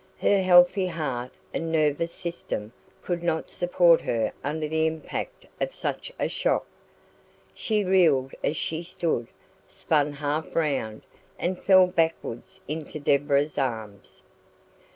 Her healthy heart and nervous system could not support her under the impact of such a shock. She reeled as she stood, spun half round, and fell backwards into Deborah's arms.